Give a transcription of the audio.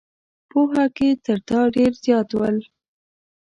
پوهه کې تر تا ډېر زیات ول.